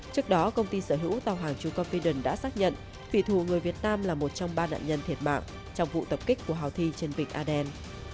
trước đó công ty sở hữu tàu hàng chukomfiden đã xác nhận thủy thủ người việt nam là một trong ba nạn nhân thiệt mạng trong vụ tập kích của houthi trên vịnh aden